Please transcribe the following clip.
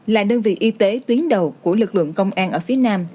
là đơn vị y tế tuyến đầu của lực lượng công an ở phía nam